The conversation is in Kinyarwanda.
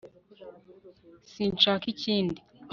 sinshaka ikindi